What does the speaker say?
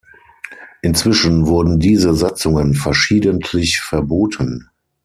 Inzwischen wurden diese Satzungen verschiedentlich verboten.